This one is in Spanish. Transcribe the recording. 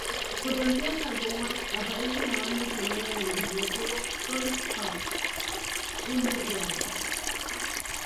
Su canción "Black Woman" aparece en la banda sonora del videojuego "Tony Hawk's Underground".